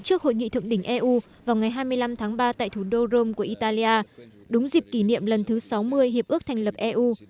trước hội nghị thượng đỉnh eu vào ngày hai mươi năm tháng ba tại thủ đô rome của italia đúng dịp kỷ niệm lần thứ sáu mươi hiệp ước thành lập eu